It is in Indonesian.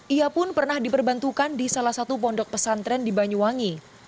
ia pun pernah diperbantukan di salah satu pondok pesantren di banyuwangi